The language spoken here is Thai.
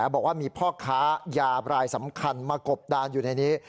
บอกว่ามีพ่อค้ายาบรายสำคัญมากบดานอยู่ในนี้